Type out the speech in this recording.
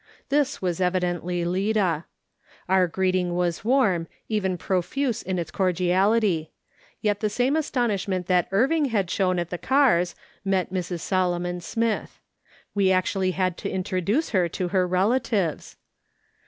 This was evidently Lida. Our greeting was warm, even profuse in its cordiality ; yet the same astonishment that Irving had shown at the cars, met Mrs. Solomon Smith. We actually had to introduce her to her relatives.